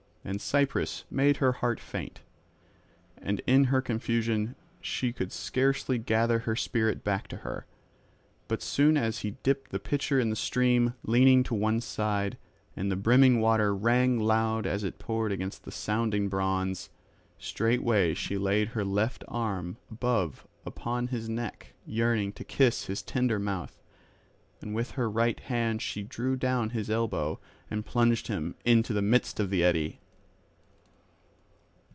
And Cypris made her heart faint, and in her confusion she could scarcely gather her spirit back to her. But as soon as he dipped the pitcher in the stream, leaning to one side, and the brimming water rang loud as it poured against the sounding bronze, straightway she laid her left arm above upon his neck yearning to kiss his tender mouth; and with her right hand she drew down his elbow, and plunged him into the midst of the eddy.